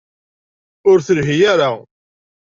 Ur telḥi ara.